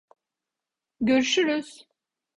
Görüşürüz!